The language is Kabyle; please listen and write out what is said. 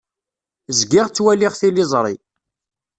Zgiɣ ttwaliɣ tiliẓri.